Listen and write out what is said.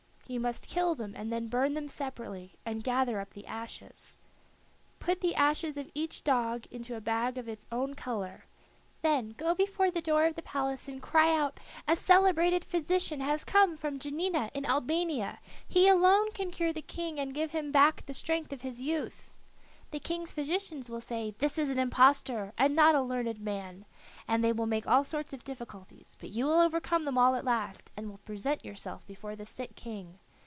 You must kill them and then burn them separately, and gather up the ashes. Put the ashes of each dog into a bag of its own color, then go before the door of the palace and cry out, 'A celebrated physician has come from Janina in Albania. He alone can cure the King and give him back the strength of his youth.' The King's physicians will say, This is an impostor, and not a learned man,' and they will make all sorts of difficulties, but you will overcome them all at last, and will present yourself before the sick King.